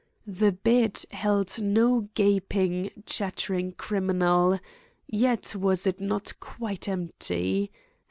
The bed held no gaping, chattering criminal; yet was it not quite empty.